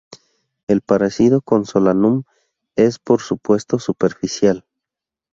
El parecido con "Solanum" es, por supuesto, superficial.